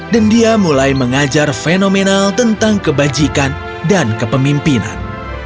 dan dia mulai mengajar fenomenal tentang kebajikan dan kepemimpinan